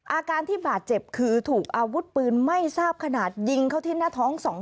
อาการที่บาดเจ็บคือถูกอาวุธปืนไม่ทราบขนาดยิงเข้าที่หน้าท้อง